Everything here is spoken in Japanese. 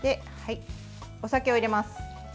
お酒を入れます。